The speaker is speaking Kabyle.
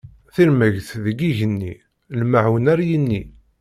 Tirmegt deg igenni, lmaɛun ar yini.